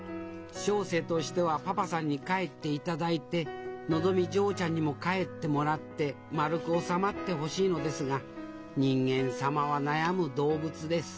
小生としてはパパさんに帰っていただいてのぞみ嬢ちゃんにも帰ってもらってまるく収まってほしいのですが人間様は悩む動物です。